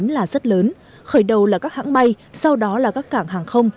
là rất lớn khởi đầu là các hãng bay sau đó là các cảng hàng không